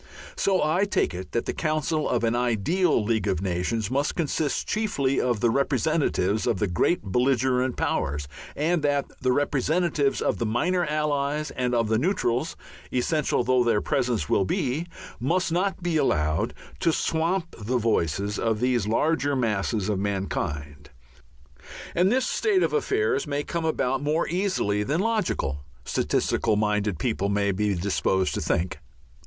So I take it that the Council of an ideal League of Nations must consist chiefly of the representatives of the great belligerent powers, and that the representatives of the minor allies and of the neutrals essential though their presence will be must not be allowed to swamp the voices of these larger masses of mankind. And this state of affairs may come about more easily than logical, statistical minded people may be disposed to think.